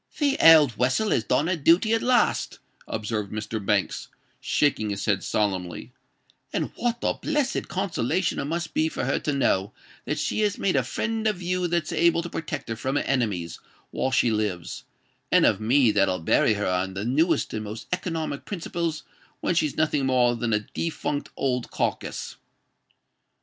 "The old wessel has done her dooty at last," observed Mr. Banks, shaking his head solemnly; "and what a blessed consolation it must be for her to know that she has made a friend of you that's able to protect her from her enemies while she lives, and of me that'll bury her on the newest and most economic principles when she's nothing more than a defunct old carkiss."